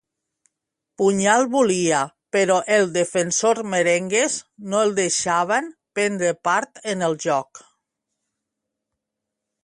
Puñal volia, però el defensors merengues no el deixaven prendre part en el joc.